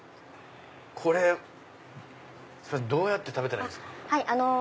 これどうやって食べたらいいですか？